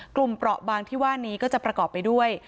เปราะบางที่ว่านี้ก็จะประกอบไปด้วย